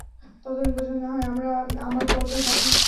ততদিন পর্যন্ত নাহয় আমার মতই থাকি।